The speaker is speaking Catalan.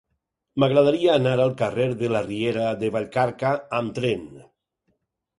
M'agradaria anar al carrer de la Riera de Vallcarca amb tren.